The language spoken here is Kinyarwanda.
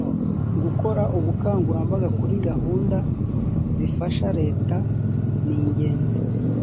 gukora ubukangurambaga kuri gahunda zifasha reta ningenzi.